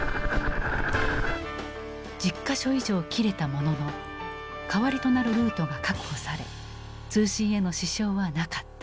１０か所以上切れたものの代わりとなるルートが確保され通信への支障はなかった。